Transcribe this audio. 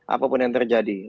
apapun yang terjadi